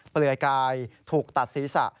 เปลือยกายถูกตัดศีรษะ